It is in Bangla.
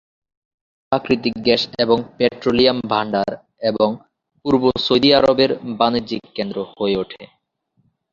এটি প্রাকৃতিক গ্যাস এবং পেট্রোলিয়াম ভাণ্ডার এবং পূর্ব সৌদি আরবের বাণিজ্যিক কেন্দ্র হয়ে ওঠে।